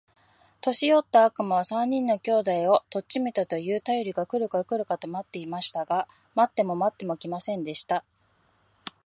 年よった悪魔は、三人の兄弟を取っちめたと言うたよりが来るか来るかと待っていました。が待っても待っても来ませんでした。